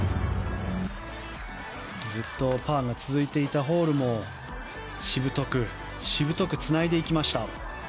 ずっとパーが続いていたホールもしぶとく、しぶとくつないでいきました。